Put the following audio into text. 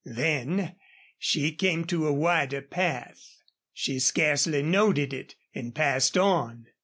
Then she came to a wider path. She scarcely noted it and passed on.